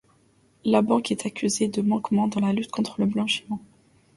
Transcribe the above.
La banque est accusée de manquement dans la lutte contre le blanchiment.